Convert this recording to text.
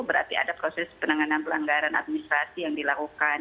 berarti ada proses penanganan pelanggaran administrasi yang dilakukan